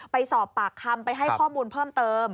ไปสอบปากคำไปให้ข้อมูลเพิ่มเติม